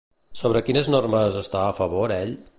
Sobre quines normes està a favor ell?